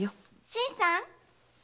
・新さん！